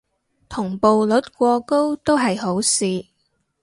同步率過高都唔係好事